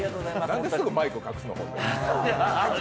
何ですぐマイクを隠すの。